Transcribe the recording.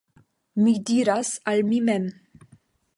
Mi diras al mi mem: